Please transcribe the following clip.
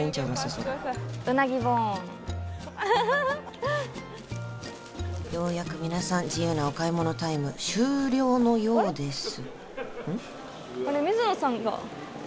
それうなぎボンようやく皆さん自由なお買い物タイム終了のようですあれ？